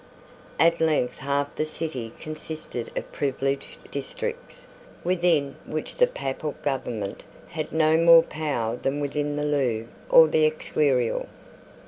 At length half the city consisted of privileged districts, within which the Papal government had no more power than within the Louvre or the Escurial.